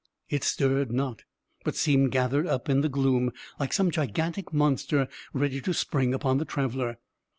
It stirred not, but seemed gathered up in the gloom, like some gigantic monster ready to spring upon the traveler.